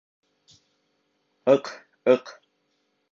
Ыҡ!...Ыҡ!